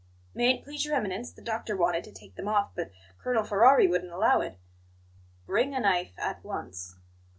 "May it please Your Eminence, the doctor wanted to take them off, but Colonel Ferrari wouldn't allow it." "Bring a knife at once."